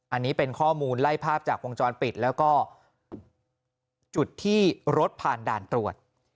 อันนี้เป็นข้อมูลไล่ภาพจากวงจรปิดแล้วก็จุดที่รถผ่านด่านตรวจ